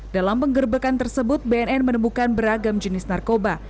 dalam penggerbekan tersebut bnn menemukan beragam jenis narkoba